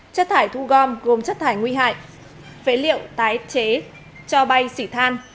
chất thải thu gom gồm chất thải nguy hại phế liệu tái chế cho bay xỉ than